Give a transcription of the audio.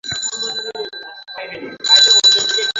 উপরন্তু, এ ব্যাপারে তাদের নিজেদের মধ্যে মতানৈক্য রয়েছে।